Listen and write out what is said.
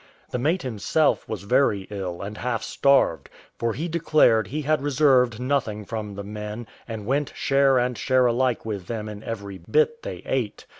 The mate himself was very ill, and half starved; for he declared he had reserved nothing from the men, and went share and share alike with them in every bit they ate.